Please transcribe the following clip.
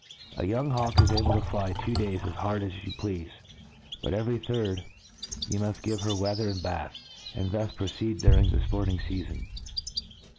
A young hawk is able to flj two days as hard as you pleafc j but every third you muft give her weather and bath } and thus proceed during the fporting feafon.